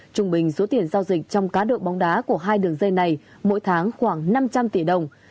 trung bình số tiền giao dịch trong cá độ bóng đá của hai đường dây này mỗi tháng khoảng năm trăm linh tỷ đồng